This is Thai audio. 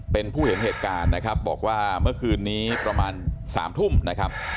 เป็นผู้เห็นเหตุการณ์นะครับบอกว่าเมื่อคืนนี้ประมาณ๓ทุ่มนะครับ